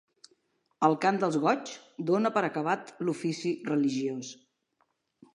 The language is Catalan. El cant dels goigs dona per acabat l'ofici religiós.